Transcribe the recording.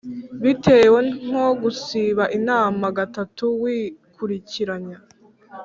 Bitewe nko gusiba inama gatatu wikurikiranya